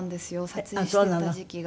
撮影していた時期が。